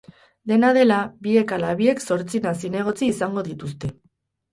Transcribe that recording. Dena dela, biek ala biek zortzina zinegotzi izango dituzte.